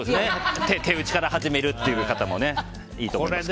手打ちから始めるっていう方もいいと思いますけどね。